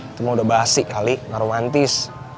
itu mah udah basi kali romantis